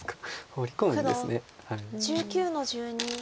ホウリ込むんですね。